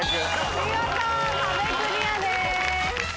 見事壁クリアです。